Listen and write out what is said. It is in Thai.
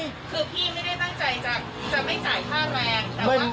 คือพี่ไม่ได้ตั้งใจจะไม่จ่ายค่าแรงแต่ว่า